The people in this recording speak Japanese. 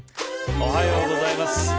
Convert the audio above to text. おはようございます。